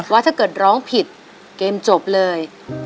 ว่าถ้าเกิดร้องผิดเกมจบเลย